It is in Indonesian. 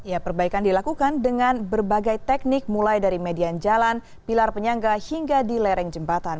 ya perbaikan dilakukan dengan berbagai teknik mulai dari median jalan pilar penyangga hingga di lereng jembatan